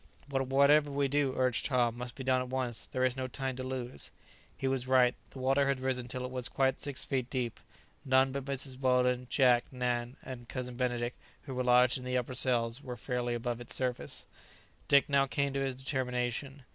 "But whatever we do," urged Tom, "must be done at once; there is no time to lose." He was right; the water had risen till it was quite six feet deep; none but Mrs. Weldon, Jack, Nan, and Cousin Benedict, who were lodged in the upper cells, were fairly above its surface. Dick now came to his determination.